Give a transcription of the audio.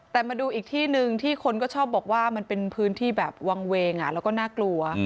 แต่มาดูอีกที่หนึ่งที่คนก็ชอบบอกว่ามันเป็นพื้นที่แบบวางเวงแล้วก็น่ากลัว